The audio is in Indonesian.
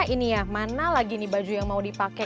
ini ya mana lagi nih baju yang mau dipakai